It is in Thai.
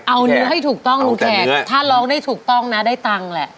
เอาเนื้อให้ถูกต้องลุงแขกถ้าร้องได้ถูกต้องนะได้ตังค์แหละ